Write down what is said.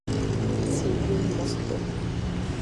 Sídlí v Moskvě.